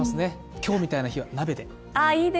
今日みたいな日は鍋で。